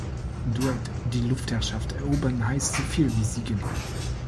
Douhet: „Die Luftherrschaft erobern heißt soviel wie siegen!